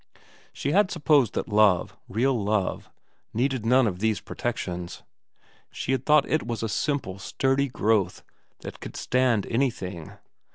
She had supposed that love, real love, needed none of these protections. She had thought it was a simple, sturdy growth that could stand anything.